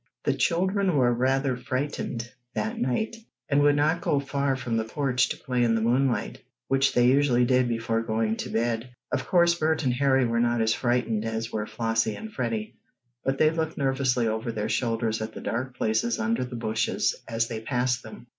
The children were rather frightened that night, and would not go far from the porch to play in the moonlight, which they usually did before going to bed. Of course Bert and Harry were not as frightened as were Flossie and Freddie, but they looked nervously over their shoulders at the dark places under the bushes as they passed them.